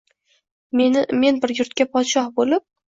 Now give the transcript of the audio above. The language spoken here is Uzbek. Men bir yurtga podshoh bo’lib